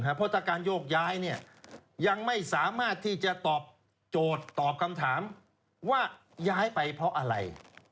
เพราะถ้าการโยกย้ายยังไม่สามารถที่จะตอบโจทย์ตอบคำถามว่าย้ายไปเพราะอะไร